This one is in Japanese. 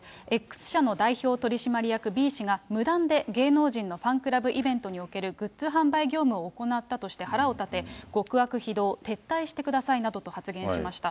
Ｘ社の代表取締役Ｂ氏が、無断で芸能人のファンクラブイベントにおけるグッズ販売業務を行ったとして腹を立て、極悪非道、撤退してくださいなどと発言しました。